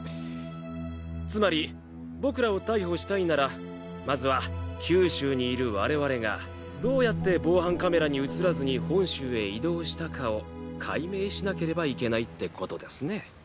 つまり僕らを逮捕したいならまずは九州にいる我々がどうやって防犯カメラに映らずに本州へ移動したかを解明しなければいけないってことですね。